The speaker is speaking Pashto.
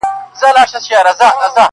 ورته وگورې په مــــــيـــنـــه.